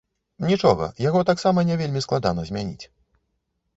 Нічога, яго таксама не вельмі складана змяніць.